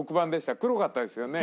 黒かったですよね。